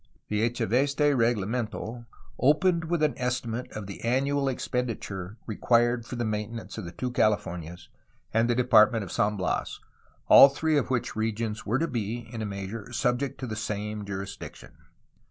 The Echeveste reglamento opened with an estimate of the annual expenditure required for the maintenance of the two Cahfornias and the Department of San Bias, all three of which regions were to be in a measure subject to the same jurisdiction.